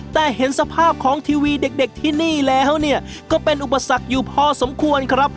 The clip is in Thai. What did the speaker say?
แต่เห็นสภาพของทีวีเด็กที่นี่แล้วเนี่ยก็เป็นอุปสรรคอยู่พอสมควรครับ